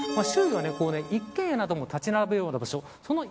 周囲は一軒家なども立ち並ぶような場所。